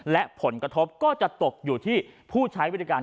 และผลกระทบก็จะตกอยู่ที่ผู้ใช้บริการ